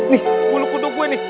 nih mulut kudung gue nih